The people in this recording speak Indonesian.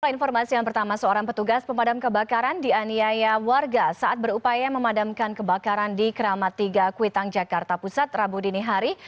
informasi yang pertama seorang petugas pemadam kebakaran di aniaya warga saat berupaya memadamkan kebakaran di keramat tiga kuitang jakarta pusat rabu dinihari